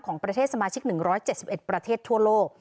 ของประเทศสมาชิก๑๗๑ประเทศทั่วโลก